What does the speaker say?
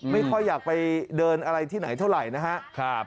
ไม่ค่อยอยากไปเดินอะไรที่ไหนเท่าไหร่นะครับ